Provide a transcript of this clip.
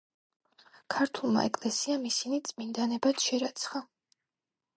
ქართულმა ეკლესიამ ისინი წმინდანებად შერაცხა.